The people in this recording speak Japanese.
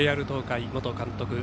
ＪＲ東海元監督